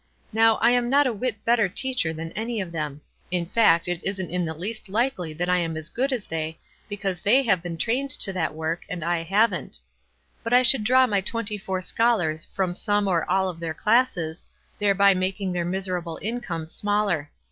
Now, I'm not a whit better teacher than any of them — in fact, it isn't in the least likely that I am as good as they, be 212 WISE AND OTHERWISE. cause they have been trained to that work, and I haven't; but I should draw my twenty four scholars from some or all of their classes, there by making their miserable incomes smaller.